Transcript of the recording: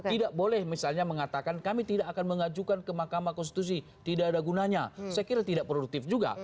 tidak boleh misalnya mengatakan kami tidak akan mengajukan ke mahkamah konstitusi tidak ada gunanya saya kira tidak produktif juga